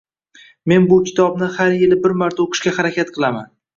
Men bu kitobni har yili bir marta o‘qishga harakat qilaman.